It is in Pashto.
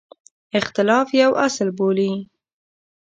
اختلاف یو اصل بولي.